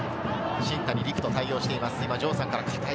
新谷陸斗、対応しています。